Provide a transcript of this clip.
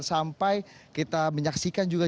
sampai kita menyaksikan juga